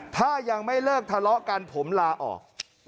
ถ้ายังไม่เลิกทะเลาะกันผมลาออก